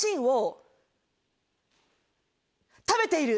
食べている？